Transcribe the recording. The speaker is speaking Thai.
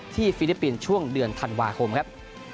ฟิลิปปินส์ช่วงเดือนธันวาคมครับ